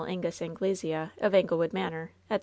Angus Angle sea, of Anglewood Manor, etc.